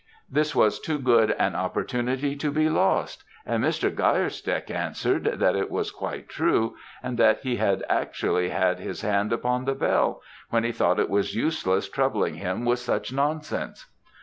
"This was too good an opportunity to be lost, and Mr. Geierstecke answered, that it was quite true, and that he had actually had his hand upon the bell, when he thought it was useless troubling him with such nonsense.